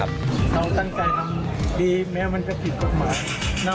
น้องตั้งใจทำดีแม้มันจะผิดกฎหมาย